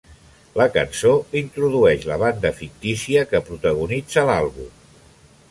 La cançó introdueix la banda fictícia que protagonitza l'àlbum.